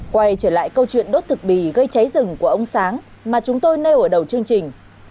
quay trở lại câu chuyện đốt thực bì gây cháy rừng của ông sáng mà chúng tôi nêu ở đầu chương trình